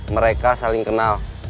mereka saling kenal